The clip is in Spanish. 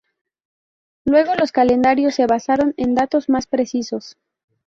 Luego los calendarios se basaron en datos más precisos.